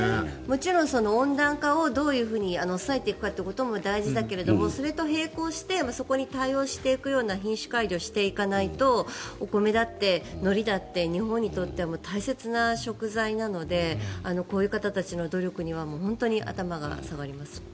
温暖化をどう抑えていくかも大事だけどそれと並行してそこに対応していくような品種改良をしていかないとお米だって、のりだって日本にとっては大切な食材なのでこういう方たちの努力には本当に頭が下がります。